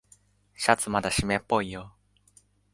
シャツまだしめっぽいよ。